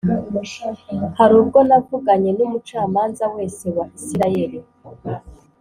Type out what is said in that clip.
hari ubwo navuganye n’umucamanza wese wa Isirayeli